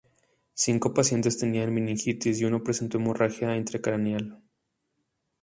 Cinco pacientes tenían meningitis y uno presentó hemorragia intracraneal.